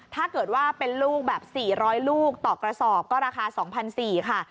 ถ้าเกิดว่าเป็นลูกแบบ๔๐๐ลูกต่อกระสอบก็ราคา๒๔๐๐ค่ะ